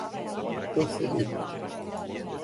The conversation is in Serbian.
То се види.